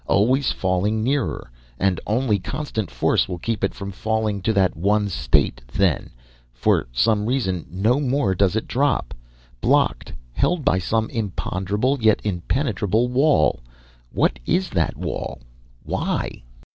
Always falling nearer, and only constant force will keep it from falling to that one state then, for some reason no more does it drop. Blocked held by some imponderable, yet impenetrable wall. What is that wall why?